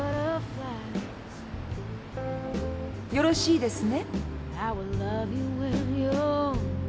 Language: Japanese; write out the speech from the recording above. よろしいですね？